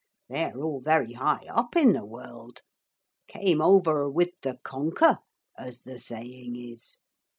They're all very high up in the world. Came over with the Conker, as the saying is.